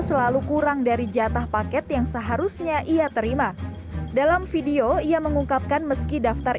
selalu kurang dari jatah paket yang seharusnya ia terima dalam video ia mengungkapkan meski daftar